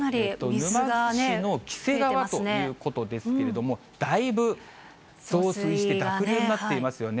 沼津市の黄瀬川ということですけれども、だいぶ増水して濁流になっていますよね。